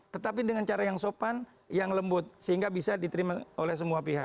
tetapi dengan cara yang sopan yang lembut sehingga bisa diterima oleh semua pihak